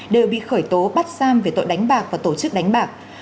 đều bị khởi tố bắt giam về tội đánh bạc và tổ chức đánh bạc